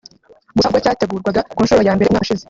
Gusa ubwo cyategurwaga ku nshuro ya mbere umwaka ushize